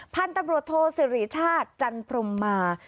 พันธุ์ตำรวจโทสิริชาติจันพรมมา